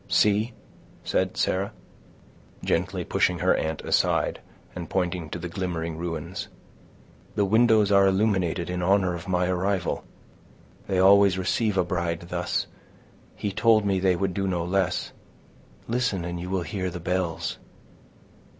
"See," said Sarah, gently pushing her aunt aside, and pointing to the glimmering ruins, "the windows are illuminated in honor of my arrival. They always receive a bride thus—he told me they would do no less. Listen, and you will hear the bells."